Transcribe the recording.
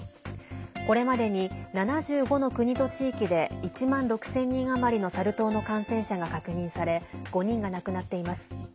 これまでに、７５の国と地域で１万６０００人余りのサル痘の感染者が確認され５人が亡くなっています。